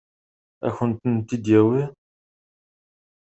Ad kent-tent-id-yawi?